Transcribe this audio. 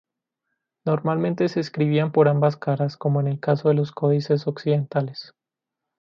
Normalmente se escribían por ambas caras, como en el caso de los códices occidentales.